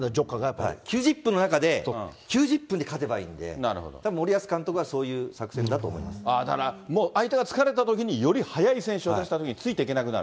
９０分の中で、９０分で勝てばいいんで、たぶん森保監督はそういだから相手が疲れたときに、より速い選手を出したときに、ついていけなくなる。